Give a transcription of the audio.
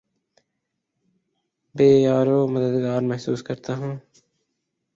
بے یارومددگار محسوس کرتا ہوں